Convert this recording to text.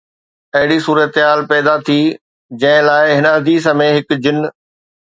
اهڙي صورتحال پيدا ٿي جنهن لاءِ هن حديث ۾ هڪ جن